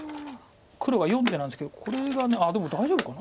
黒は４手なんですけどこれがああでも大丈夫かな。